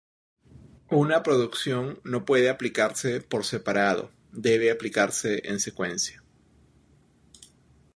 Una producción no puede aplicarse por separado, debe aplicarse en secuencia.